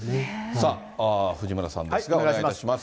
さあ、藤村さんですが、お願いいたします。